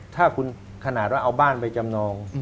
ถ้าคุณขนาดว่าเอาบ้านไปจำนอง